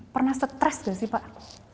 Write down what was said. pernah stres gak sih pak